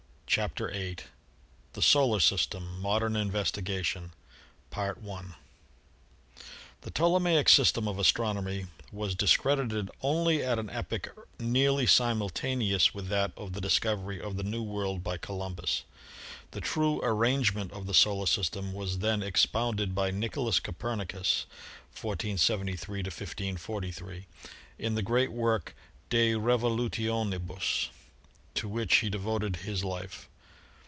CHAPTER VIII THE SOLAR SYSTEM — MODERN INVESTIGATION The Ptolemaic system of astronomy was discredited only at an epoch nearly simultaneous with that of the dis covery of the New World by Columbus. The true ar rangement of the solar system was then expounded by Nicholas Copernicus (1473 1543) in the great work, "De Revolutionibus," to which he devoted his life.